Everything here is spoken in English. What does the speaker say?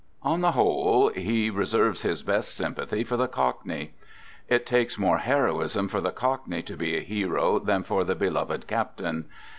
On the whole, he reserves his best sympathy for the Cock ney. It takes more heroism for the Cockney to be a hero than for the Beloved Captain.